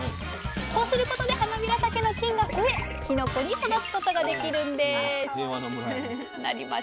こうすることではなびらたけの菌が増えきのこに育つことができるんです